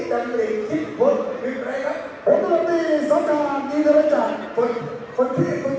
คือคนที่เสียเหลี่ยนงานหรือชมติยศนะคะ